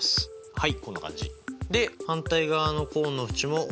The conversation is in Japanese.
はい。